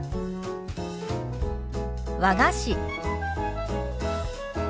「和菓子」。